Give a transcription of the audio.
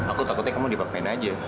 aku takutnya kamu diapapain aja